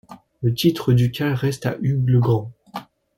Le titre ducal reste à Hugues le Grand.